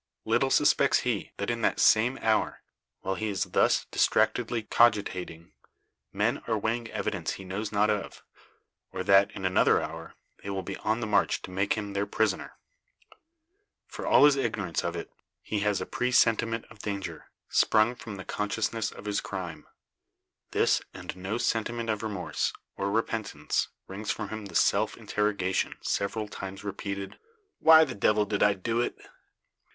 Little suspects he, that in the same hour, while he is thus distractedly cogitating, men are weighing evidence he knows not of; or that, in another hour, they will be on the march to make him their prisoner. For all his ignorance of it, he has a presentiment of danger, sprung from the consciousness of his crime. This, and no sentiment of remorse, or repentance, wrings from him the self interrogation, several times repeated: "Why the devil did I do it?"